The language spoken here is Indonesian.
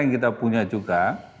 yang kita punya juga